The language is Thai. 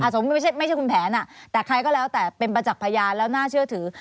สมมุติไม่ใช่คุณแผนแต่ใครก็แล้วแต่เป็นประจักษ์พยานแล้วน่าเชื่อถือ